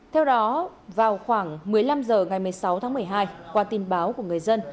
theo đó vào khoảng một mươi năm h ngày một mươi sáu tháng một mươi hai qua tin báo của người dân